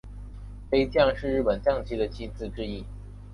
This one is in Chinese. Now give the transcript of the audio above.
飞将是日本将棋的棋子之一。